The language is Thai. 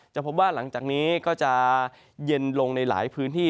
พบว่าหลังจากนี้ก็จะเย็นลงในหลายพื้นที่